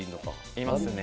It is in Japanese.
いますね。